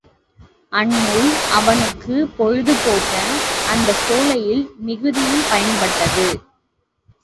அந்நூல் அவனுக்குப் பொழுது போக்க அந்தச் சோலையில் மிகுதியும் பயன்பட்டது.